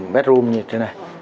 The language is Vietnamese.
bedroom như thế này